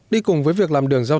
đi cùng với việc làm đường râu